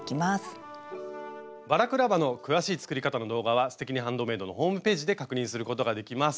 バラクラバの詳しい作り方の動画は「すてきにハンドメイド」のホームページで確認することができます。